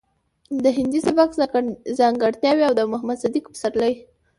د هندي سبک ځانګړټياوې او د محمد صديق پسرلي